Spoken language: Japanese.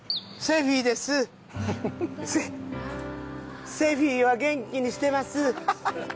セフィは元気にしてます。